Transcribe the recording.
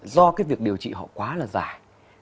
do cái việc điều trị họ quá là dài